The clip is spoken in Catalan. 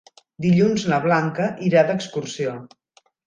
Dilluns na Blanca irà d'excursió.